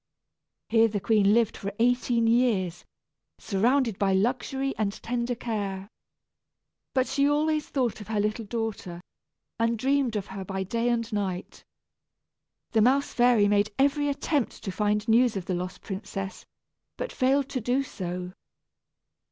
Here the queen lived for eighteen years, surrounded by luxury and tender care. But she always thought of her little daughter, and dreamed of her by day and night. The mouse fairy made every attempt to find news of the lost princess, but failed to do so.